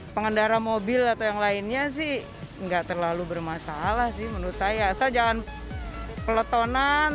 pengendara mobil atau yang lainnya sih nggak terlalu bermasalah sih menurut saya saya jangan peletonan